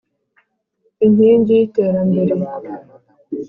Inkingi y’iterambere.